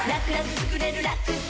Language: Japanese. つくれるラクサ